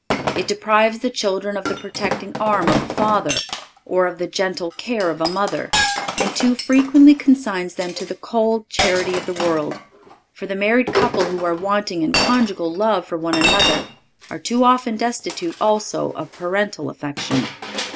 It deprives the children of the protecting arm of a father, or of the gentle care of a mother, and too frequently consigns them to the cold charity of the world; for the married couple who are wanting in conjugal love for one another are too often destitute also of parental affection.